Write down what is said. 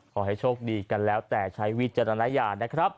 ขอให้โชคดีกันแล้วแต่ใช้วิจารณญาณนะครับ